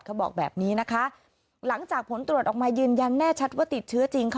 เขาบอกแบบนี้นะคะหลังจากผลตรวจออกมายืนยันแน่ชัดว่าติดเชื้อจริงค่ะ